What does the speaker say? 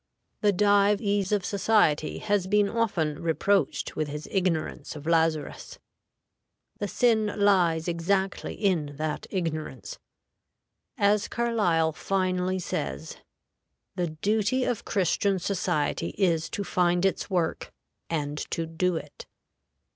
The Dives of society has been often reproached with his ignorance of Lazarus. The sin lies exactly in that ignorance. As Carlyle finely says, "The duty of Christian society is to find its work, and to do it."